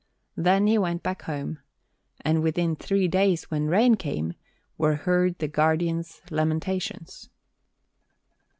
Then he went back home; and within three days, when rain came, were heard the Guardian's lamentations.